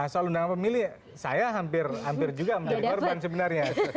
soal undangan pemilih saya hampir juga menjadi korban sebenarnya